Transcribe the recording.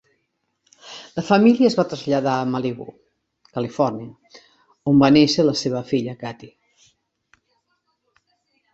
La família es va traslladar a Malibú, Califòrnia, on va néixer la seva filla Kathy.